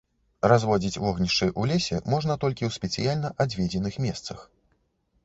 Разводзіць вогнішчы ў лесе можна толькі ў спецыяльна адведзеных месцах.